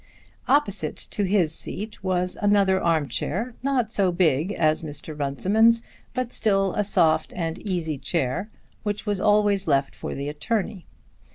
Opposite to his seat was another arm chair, not so big as Mr. Runciman's, but still a soft and easy chair, which was always left for the attorney.